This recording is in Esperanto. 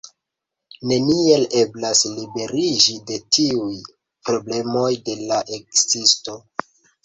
Neniel eblas liberiĝi de tiuj problemoj de la ekzisto.